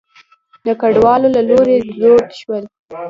د کډوالو له لوري دود شول.